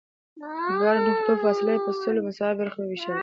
دواړو نقطو فاصله یې په سلو مساوي برخو ووېشله.